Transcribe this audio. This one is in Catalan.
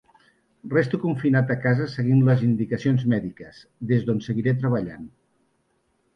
Resto confinat a casa seguint les indicacions mèdiques, des d’on seguiré treballant.